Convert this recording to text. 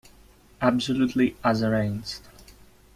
Absolutely as arranged.